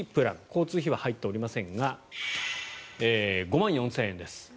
交通費は入っておりませんが５万４０００円です。